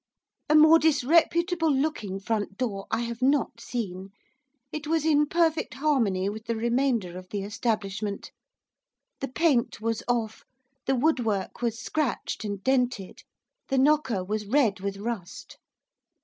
A more disreputable looking front door I have not seen, it was in perfect harmony with the remainder of the establishment. The paint was off; the woodwork was scratched and dented; the knocker was red with rust.